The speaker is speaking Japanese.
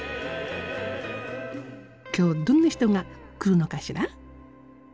今日はどんな人が来るのかしら？